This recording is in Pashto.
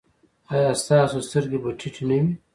ایا ستاسو سترګې به ټیټې نه وي؟